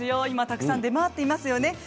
今たくさん出回っていますよね